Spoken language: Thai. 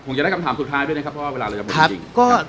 จะได้คำถามสุดท้ายด้วยนะครับเพราะว่าเวลาเราจะหมดจริง